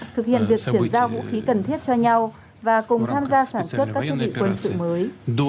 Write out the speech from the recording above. thực hiện việc chuyển giao vũ khí cần thiết cho nhau và cùng tham gia sản xuất các thiết bị quân sự mới